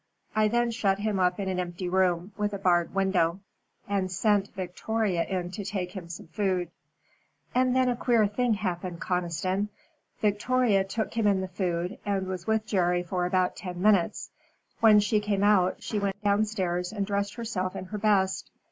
I then shut him up in an empty room, with a barred window, and sent Victoria in to take him some food. And then a queer thing happened, Conniston. Victoria took him in the food, and was with Jerry for about ten minutes. When she came out she went downstairs and dressed herself in her best.